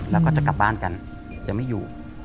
แล้วก็จะกลับบ้านกันจะไม่อยู่